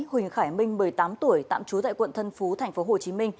huỳnh khải minh một mươi tám tuổi tạm trú tại quận tân phú tp hcm